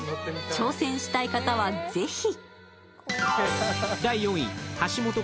挑戦したい方はぜひ。